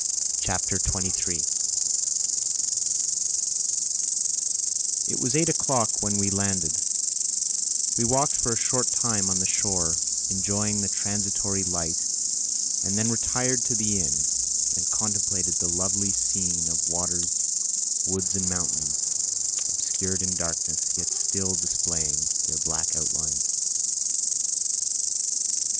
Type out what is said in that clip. Chapter 23 It was eight o'clock when we landed; we walked for a short time on the shore, enjoying the transitory light, and then retired to the inn and contemplated the lovely scene of waters, woods, and mountains, obscured in darkness, yet still displaying their black outlines.